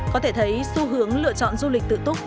có thể thấy xu hướng lựa chọn du lịch tự túc